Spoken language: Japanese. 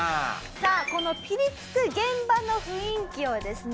さあこのピリつく現場の雰囲気をですね